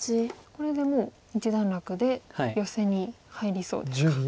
これでもう一段落でヨセに入りそうですか。